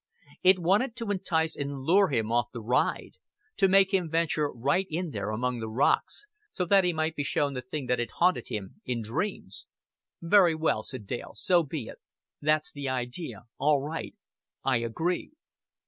It wanted to entice and lure him off the ride to make him venture right in there among the rocks, so that he might be shown the thing that had haunted him in dreams. "Very well," said Dale, "so be it. That's the idea. All right. I agree."